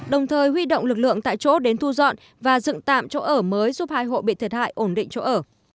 đồng thời huy động lực lượng tại chỗ đến thu dọn và dựng tạm chỗ ở mới giúp hai hộ bị thiệt hại ổn định chỗ ở